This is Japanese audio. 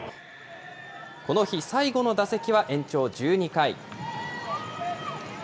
この日最後の打席は延長１２回。